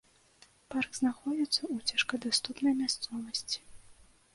Парк знаходзіцца ў цяжкадаступнай мясцовасці.